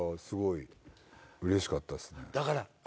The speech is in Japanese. すごいうれしかったっすね。